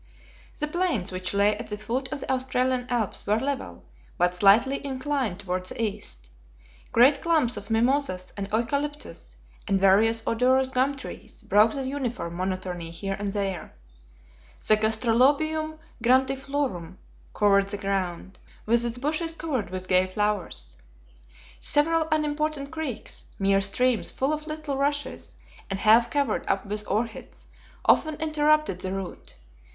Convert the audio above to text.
The plains which lay at the foot of the Australian Alps were level, but slightly inclined toward the east. Great clumps of mimosas and eucalyptus, and various odorous gum trees, broke the uniform monotony here and there. The gastrolobium grandiflorum covered the ground, with its bushes covered with gay flowers. Several unimportant creeks, mere streams full of little rushes, and half covered up with orchids, often interrupted the route.